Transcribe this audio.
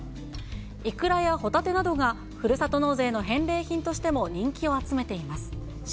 イクラやホタテなどが、ふるさと納税の返礼品としても人気を集めています。